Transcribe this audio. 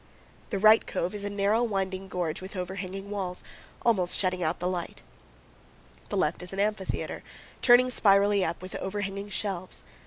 203 The right cove is a narrow, winding gorge, with overhanging walls, almost shutting out the light. The left is an amphitheater, turning spirally up, with overhanging shelves.